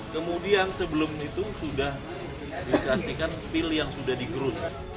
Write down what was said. kemudian sebelum itu sudah dikasihkan pil yang sudah digerus